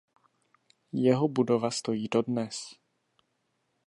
Jeho budova stojí dodnes.